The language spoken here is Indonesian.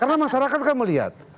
karena masyarakat kan melihat